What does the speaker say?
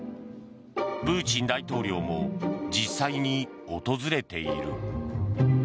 プーチン大統領も実際に訪れている。